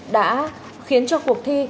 đã khiến cho cuộc thi